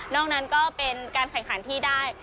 นั้นก็เป็นการแข่งขันที่ได้